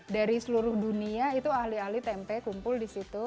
dari seluruh dunia itu ahli ahli tempe kumpul di situ